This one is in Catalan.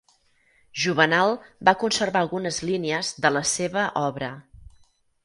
Juvenal va conservar algunes línies de la seva obra.